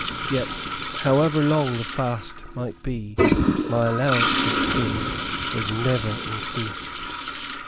Yet, however long the fast might be, my allowance of food was never increased.